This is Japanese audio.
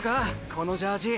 このジャージ。